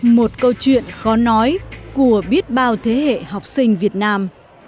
một câu chuyện khó nói của biết bao thế hệ học sinh việt nam